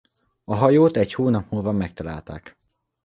A hajót egy hónap múlva megtalálták.